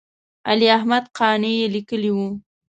علي احمد قانع یې لیکلی و.